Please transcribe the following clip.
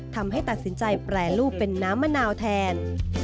ทำให้ตัดสินใจแปรรูปเป็นน้ำมะนาวแทน